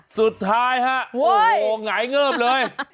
สุดท้ายง่ายเงิบเลย